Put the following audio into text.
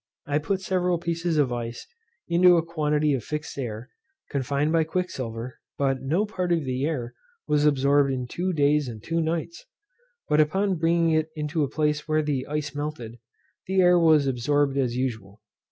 I put several pieces of ice into a quantity of fixed air, confined by quicksilver, but no part of the air was absorbed in two days and two nights; but upon bringing it into a place where the ice melted, the air was absorbed as usual.